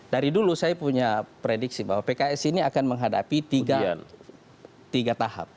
dari dulu saya punya prediksi bahwa pks ini akan menghadapi tiga tahap